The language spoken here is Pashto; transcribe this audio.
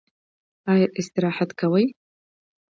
ایا استراحت کوئ؟